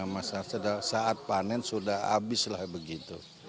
masa saat panen sudah habis lah begitu